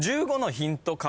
１５のヒント